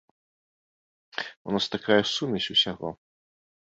У нас такая сумесь усяго!